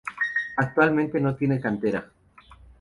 Actualmente no tiene cantera